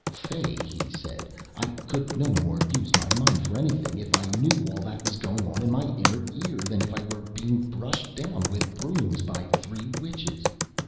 "Fay," he said, "I could no more use my mind for anything if I knew all that was going on in my inner ear than if I were being brushed down with brooms by three witches.